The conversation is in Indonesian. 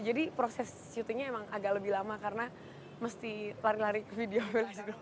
jadi proses syutingnya emang agak lebih lama karena mesti lari lari ke video village dulu